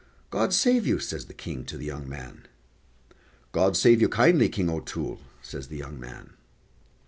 "God save you," says the King to the young man. "God save you kindly, King O'Toole," says the young man.